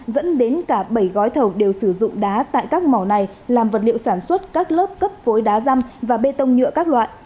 dẫn đến cả bảy gói thầu đều sử dụng đá tại các mỏ này làm vật liệu sản xuất các lớp cấp phối đá răm và bê tông nhựa các loại